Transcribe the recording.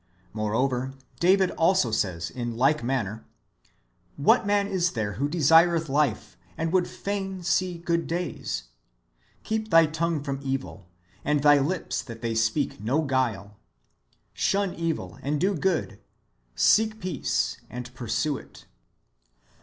"^ Moreover, David also says in like manner :" What man is there who desireth life, and would fain see good days ? Keep thy tongue from evil, and thy lips that they speak no guile. Shun evil, and do good : seek peace, and pursue it."